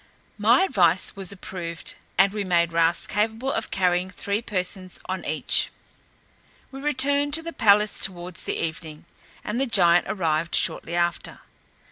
My advice was approved, and we made rafts capable of carrying three persons on each. We returned to the palace towards the evening, and the giant arrived shortly after.